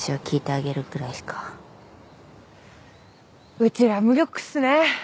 うちら無力っすね。